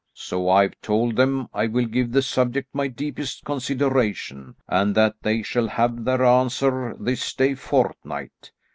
So I've told them I will give the subject my deepest consideration, and that they shall have their answer this day fortnight.